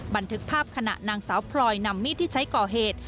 บันทึกภาพขณะนางสาวพลอยนำมีดที่ใช้ก่อเหตุ